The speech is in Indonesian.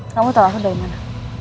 kamu tahu aku dari mana